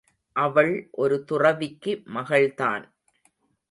அவள் ஒரு துறவிக்கு மகள்தான்.